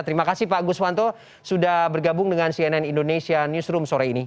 terima kasih pak guswanto sudah bergabung dengan cnn indonesia newsroom sore ini